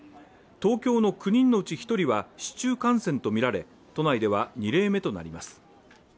東京の９人のうち１人は市中感染とみられ、都内では２例目となります。